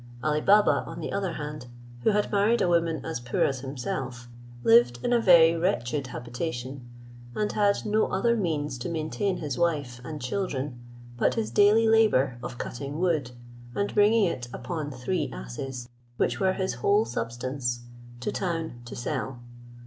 Ali Baba on the other hand, who had married a woman as poor as himself, lived in a very wretched habitation, and had no other means to maintain his wife and children but his daily labour of cutting wood, and bringing it upon three asses, which were his whole substance, to town to sell.